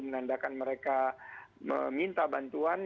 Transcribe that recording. menandakan mereka meminta bantuan